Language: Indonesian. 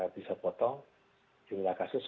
bisa potong jumlah kasus